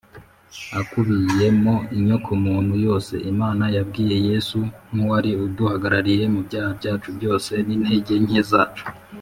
’’ akubiyemo inyokomuntu yose. Imana yabwiye Yesu nk’uwari uduhagarariye. Mu byaha byacu byose n’intege nke zacu